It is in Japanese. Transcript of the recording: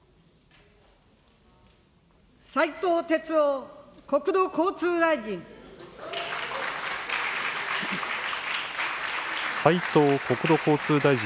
斉藤鉄夫国土交通大臣。